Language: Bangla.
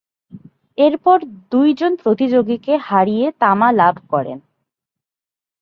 এরপর দুইজন প্রতিযোগীকে হারিয়ে তামা লাভ করেন।